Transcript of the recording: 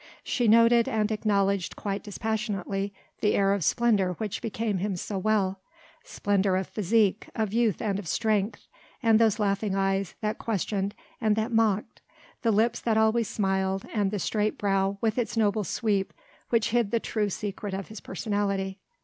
She noted and acknowledged quite dispassionately the air of splendour which became him so well splendour of physique, of youth and of strength, and those laughing eyes that questioned and that mocked, the lips that always smiled and the straight brow with its noble sweep which hid the true secret of his personality.